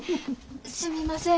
すみません。